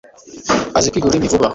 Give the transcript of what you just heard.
Azi kwiga ururimi vuba.